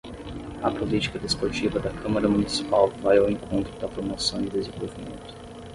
A política desportiva da Câmara Municipal vai ao encontro da promoção e desenvolvimento.